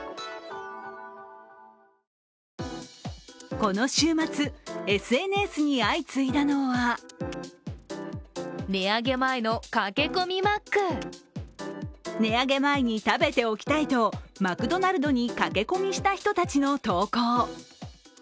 この週末、ＳＮＳに相次いだのは値上げ前に食べておきたいと、マクドナルドに駆け込みした人たちの投稿。